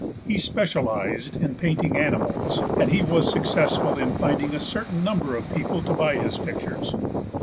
He specialised in painting animals, and he was successful in finding a certain number of people to buy his pictures.